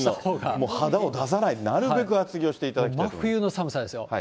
もう肌を出さない、なるべく厚着をしていただきたいと思いま真冬の寒さですよ。